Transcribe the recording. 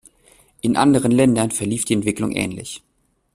In anderen Ländern verlief die Entwicklung ähnlich.